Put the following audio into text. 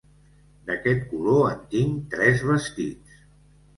D'aquest color en tinc tres vestits.